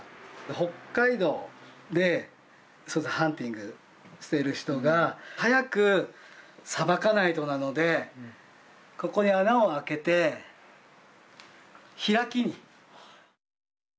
北海道でハンティングしてる人が早くさばかないとなのでここに穴を開けて開きに。